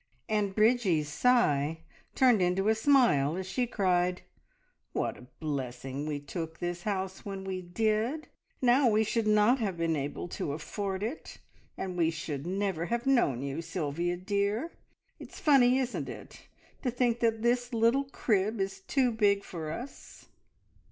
And Bridgie's sigh turned into a smile as she cried, "What a blessing we took this house when we did! Now we should not have been able to afford it, and we should never have known you, Sylvia dear! It's funny, isn't it, to think that this little crib is too big for us?"